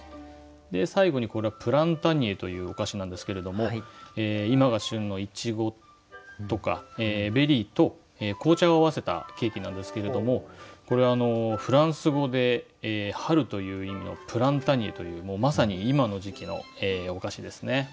で最後にこれはプランタニエというお菓子なんですけれども今が旬のいちごとかベリーと紅茶を合わせたケーキなんですけれどもこれフランス語で「春」という意味の「プランタニエ」というまさに今の時期のお菓子ですね。